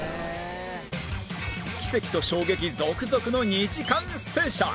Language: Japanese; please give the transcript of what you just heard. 奇跡と衝撃続々の２時間スペシャル